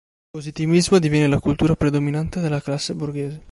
Il positivismo diviene la cultura predominante della classe borghese.